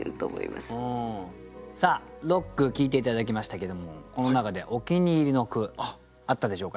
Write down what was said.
さあ六句聞いて頂きましたけどもこの中でお気に入りの句あったでしょうかね。